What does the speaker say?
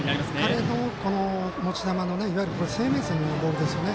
彼の持ち球生命線の部分ですよね。